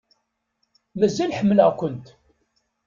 Mazal ḥemmleɣ-kumt.